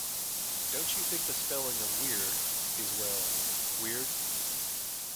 Don't you think the spelling of weird is, well, weird?